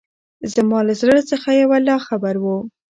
زما له زړه څخه يو الله خبر وو.